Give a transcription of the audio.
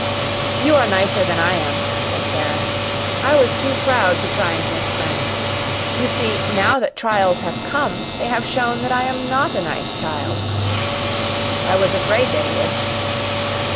"You are nicer than I am," said Sara. "I was too proud to try and make friends. You see, now that trials have come, they have shown that I am NOT a nice child. I was afraid they would.